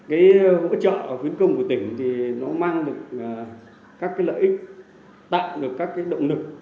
hỗ trợ quyến công của tỉnh mang được các lợi ích tạo được các động lực